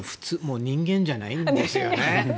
人間じゃないんですよね。